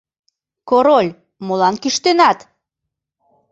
Король, молан кӱштенат?